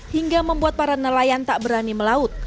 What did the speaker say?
hingga membuat para nelayan tak berani melaut